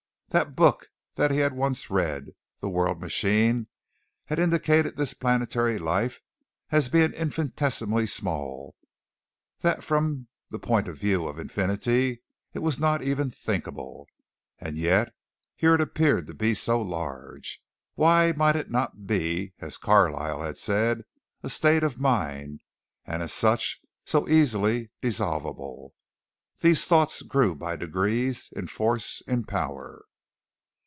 That book that he had once read "The World Machine" had indicated this planetary life as being infinitesimally small; that from the point of view of infinity it was not even thinkable and yet here it appeared to be so large. Why might it not be, as Carlyle had said, a state of mind, and as such, so easily dissolvable. These thoughts grew by degrees, in force, in power.